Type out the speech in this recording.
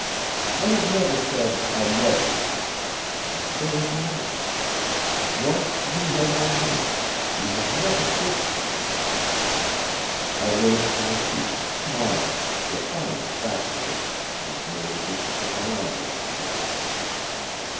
I have never said, 'I love you.' I say it now. Once you held my hand you have never kissed me." I rose to my feet, smiling, profoundly fatuous, and made as if to put my arm around her.